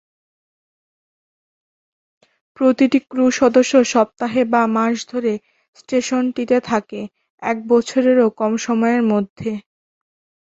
প্রতিটি ক্রু সদস্য সপ্তাহে বা মাস ধরে স্টেশনটিতে থাকে, এক বছরেরও কম সময়ের মধ্যে।